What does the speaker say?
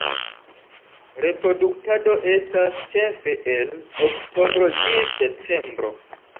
Reproduktado estas ĉefe el Oktobro ĝis Decembro.